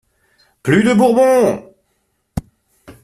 Plus de Bourbons!